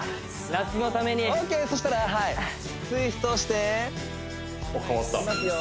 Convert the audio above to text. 夏のためにオーケーそしたらツイストしていきますよ